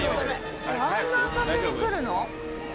「あんな浅瀬に来るの？」